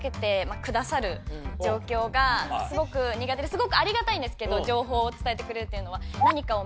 すごくありがたいんですけど情報を伝えてくれるっていうのは。